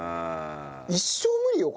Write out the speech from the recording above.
一生無理よ